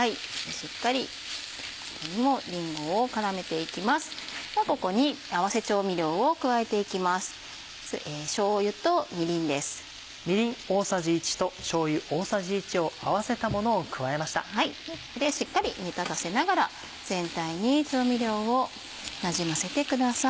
しっかり煮立たせながら全体に調味料をなじませてください。